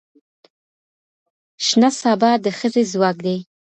شنه سابه د ښځې ځواک دی